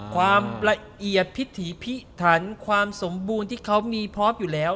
ความละเอียดพิถีพิถันความสมบูรณ์ที่เขามีพร้อมอยู่แล้ว